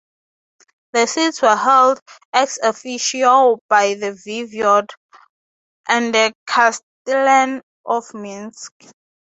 The seats were held "ex officio" by the voivod and the castellan of Minsk.